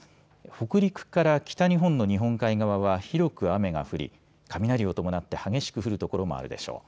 北陸から北日本の日本海側は広く雨が降り、雷を伴って激しく降る所もあるでしょう。